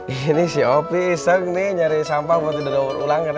ini si opi iseng nih nyari sampah buat tidak dolar ulang kan ya